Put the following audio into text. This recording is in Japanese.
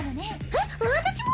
えっ私も？